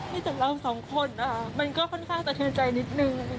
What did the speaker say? มีแต่เราสองคนนะคะมันก็ค่อนข้างสะเทือนใจนิดนึง